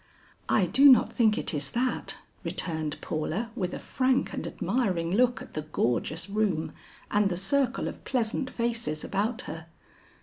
"I do not think it is that," returned Paula with a frank and admiring look at the gorgeous room and the circle of pleasant faces about her.